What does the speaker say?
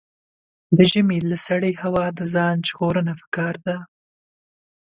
د ژمي له سړې هوا د ځان ژغورنه پکار ده.